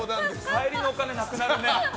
帰りのお金なくなるね。